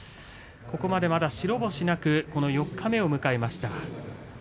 ここまでまだ白星なくこの四日目を迎えました。